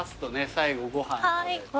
最後ご飯。